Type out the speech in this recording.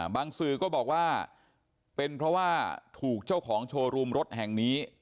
สื่อก็บอกว่าเป็นเพราะว่าถูกเจ้าของโชว์รูมรถแห่งนี้